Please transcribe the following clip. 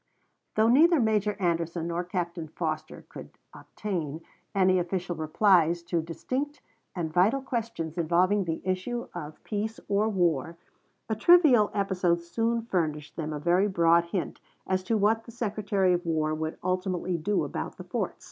Though neither Major Anderson nor Captain Foster could obtain any official replies to distinct and vital questions involving the issue of peace or war, a trivial episode soon furnished them a very broad hint as to what the Secretary of War would ultimately do about the forts.